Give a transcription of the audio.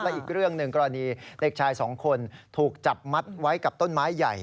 อีกเรื่องหนึ่งกรณีเด็กชายสองคนถูกจับมัดไว้กับต้นไม้ใหญ่